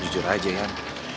jujur aja ian